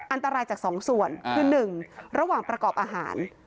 อันตรายจากสองส่วนคือ๑ระหว่างประกอบอาหาร